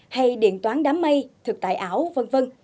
hay điện toán đám mây thực tại ảo v v